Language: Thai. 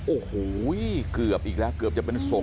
โอ้โหเกือบอีกแล้วเกือบจะเป็นศพ